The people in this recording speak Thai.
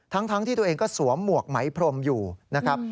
ทั้งที่ตัวเองก็สวมหมวกไหมพรมอยู่นะครับ